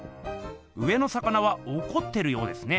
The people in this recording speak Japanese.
上の魚はおこってるようですね。